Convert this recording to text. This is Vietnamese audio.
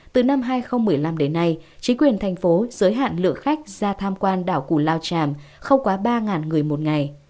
từ năm hai nghìn một mươi năm đến nay chính quyền thành phố giới hạn lượng khách ra tham quan đảo cù lao tràm không quá ba người một ngày